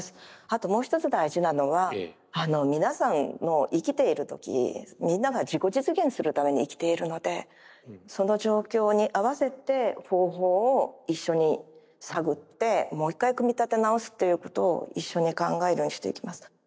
あともう一つ大事なのは皆さんの生きている時みんなが自己実現するために生きているのでその状況に合わせて方法を一緒に探ってもう一回組み立て直すということを一緒に考えるようにしていきます。